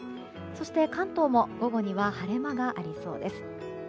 そして、関東も午後には晴れ間がありそうです。